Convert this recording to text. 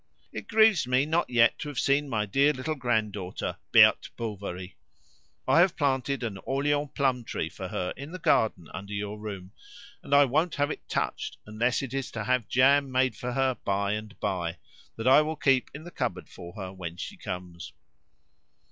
It grieves me not yet to have seen my dear little grand daughter, Berthe Bovary. I have planted an Orleans plum tree for her in the garden under your room, and I won't have it touched unless it is to have jam made for her by and bye, that I will keep in the cupboard for her when she comes.